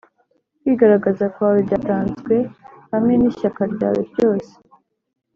kwigaragaza kwawe byatanzwe hamwe nishyaka ryawe ryose.